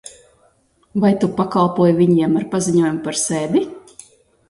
Vai tu pakalpoji viņiem ar paziņojumu par sēdi?